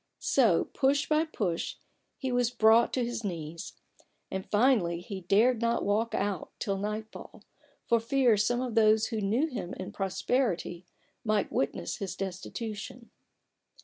So push by push he was brought to his knees ; and finally he dared not walk out till nightfall, for fear some of those who knew him in prosperity might witness his destitution.